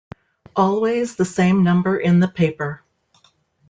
Always the same number in the paper.